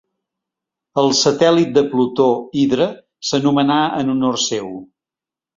El satèl·lit de Plutó Hidra s'anomenà en honor seu.